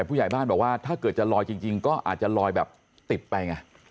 ผู้ใหญ่บ้านบอกว่าถ้าเกิดจะลอยจริงก็อาจจะลอยแบบติดไปไง